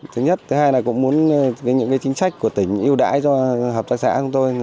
thứ nhất thứ hai là cũng muốn những chính sách của tỉnh yêu đãi cho hợp tác xã của tôi